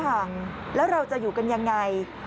ใช่ค่ะแล้วเราจะอยู่กันอย่างไร